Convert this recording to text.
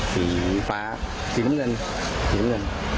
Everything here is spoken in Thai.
สีฟ้าสีเหนือน